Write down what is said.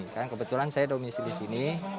karena kebetulan saya domisi di sini